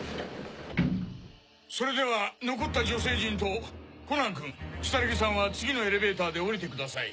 それでは残った女性陣とコナンくん如月さんは次のエレベーターで降りてください。